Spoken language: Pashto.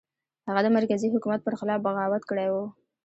هغه د مرکزي حکومت پر خلاف بغاوت کړی و.